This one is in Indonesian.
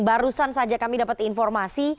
barusan saja kami dapat informasi